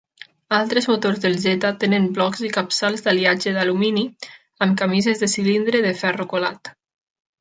Altres motors del Z tenen blocs i capçals d'aliatge d'alumini, amb camises de cilindre de ferro colat.